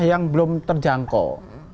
yang belum terjangkau